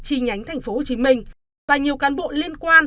chi nhánh tp hcm và nhiều cán bộ liên quan